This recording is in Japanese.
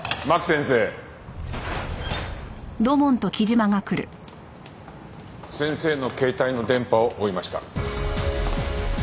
先生の携帯の電波を追いました。